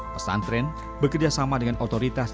pesantren bekerjasama dengan otoritas